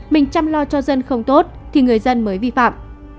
mình chăm lo cho dân không tốt thì người dân mới vi phạm